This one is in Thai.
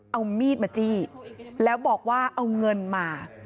เอามีดมาจี้แล้วบอกว่าเอาเงินมา